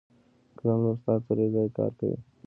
قلم له استاد سره یو ځای کار کوي